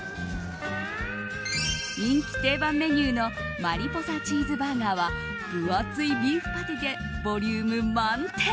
人気定番メニューのマリポサチーズバーガーは分厚いビーフパティでボリューム満点。